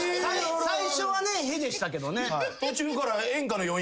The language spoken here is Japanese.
最初はねへでしたけどね。